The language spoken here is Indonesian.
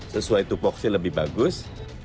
sesuai tupuksi lebih bagus